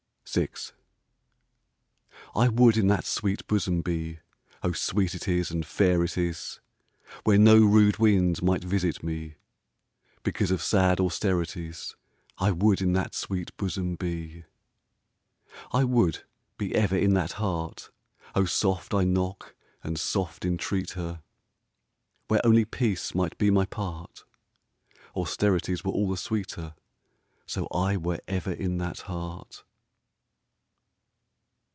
VI I WOULD in that sweet bosom be (O sweet it is and fair it is !) Where no rude wind might visit me. Because of sad austerities I would in that sweet bosom be. I would be ever in that heart (O soft I knock and soft entreat her !) Where only peace might be my part. Austerities were all the sweeter So I were ever in that heart.